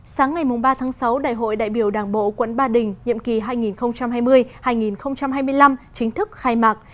sáng ngày ba tháng sáu đại hội đại biểu đảng bộ quận ba đình nhiệm kỳ hai nghìn hai mươi hai nghìn hai mươi năm chính thức khai mạc